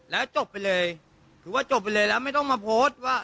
แล้วจบไปเลยถือว่าจบไปเลยแล้วไม่ต้องมาโพสต์ว่า